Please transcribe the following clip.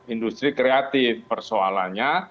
industri kreatif persoalannya